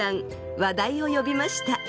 話題を呼びました。